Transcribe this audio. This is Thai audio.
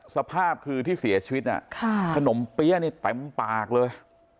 สภาพคือที่เสียชีวิตขนมเปี๊ยะนี่เต็มปากเลย